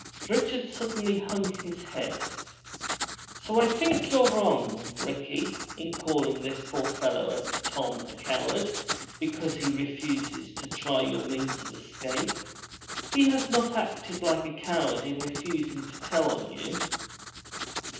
Richard suddenly hung his head. "So I think you're wrong, Ricky, in calling this poor fellow Tom a coward because he refuses to try your means of escape. He has not acted like a coward in refusing to tell on you."